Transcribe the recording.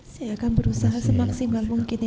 saya akan berusaha semaksimal mungkin